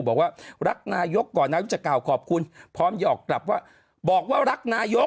บอกว่ารักนายกก่อนนายกจะกล่าวขอบคุณพร้อมหยอกกลับว่าบอกว่ารักนายก